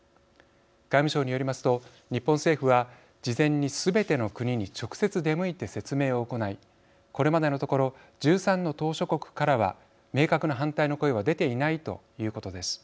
外務省によりますと日本政府は事前にすべての国に直接出向いて説明を行いこれまでのところ１３の島しょ国からは明確な反対の声は出ていないということです。